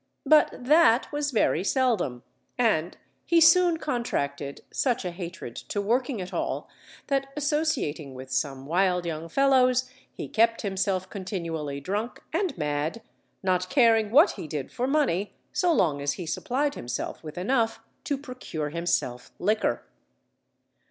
But that was very seldom, and he soon contracted such a hatred to working at all that associating with some wild young fellows, he kept himself continually drunk and mad, not caring what he did for money, so long as he supplied himself with enough to procure himself liquor.